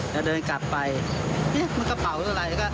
แล้วเดินกลับไปมันกระเป๋าอะไร